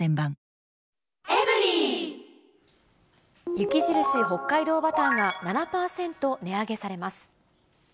雪印北海道バターが７％値上げされます。